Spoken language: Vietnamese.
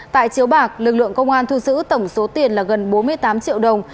tại chiếu bạc lực lượng công an thu giữ tổng số tiền là gần bốn mươi tám triệu đồng